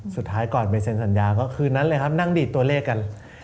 สุดท้ายก่อนไปเซ็นสัญญาก็คืนนั้นเลยครับนั่งดีดตัวเลขกัน